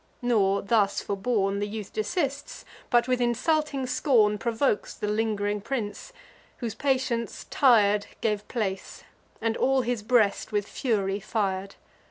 Nor, thus forborne, The youth desists, but with insulting scorn Provokes the ling'ring prince, whose patience, tir'd, Gave place; and all his breast with fury fir'd.